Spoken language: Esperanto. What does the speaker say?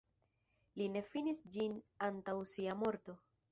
Li ne finis ĝin antaŭ sia morto.